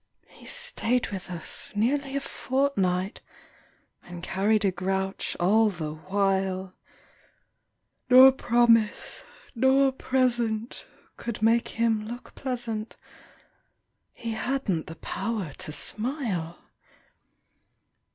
He stayed with us nearly a fortnight And carried a grouch all the while, Nor promise nor present could make him look pleasant; He hadn't the power to smile.